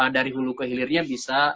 dari hulu ke hilirnya bisa